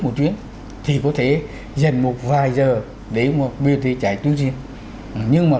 một chuyến thì có thể dành một vài giờ để một brt chạy tuyến riêng nhưng mà